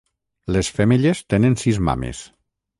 Les femelles tenen sis mames.